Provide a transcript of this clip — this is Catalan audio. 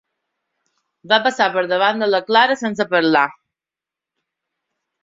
Va passar per davant de la Clara sense parlar.